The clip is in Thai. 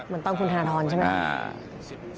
เหมือนตอนคุณธนทรใช่ไหม